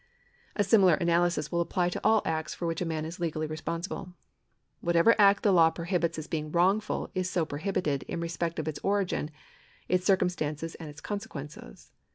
A similar analysis will apply to all acts for which a man is legally responsible. Whatever act the law prohibits as being wrongful is so prohibited in respect of its origin, its circumstances, and its consequences.